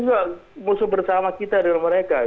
ini juga musuh bersama kita dengan mereka